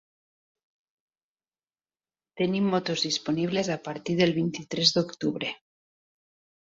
Tenim motos disponibles a partir del vint-i-tres d'octubre.